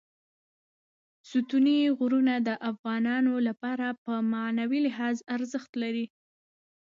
ستوني غرونه د افغانانو لپاره په معنوي لحاظ ارزښت لري.